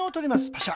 パシャ。